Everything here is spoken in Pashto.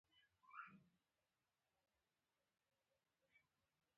ایا ستاسو ایمان پاخه نه دی؟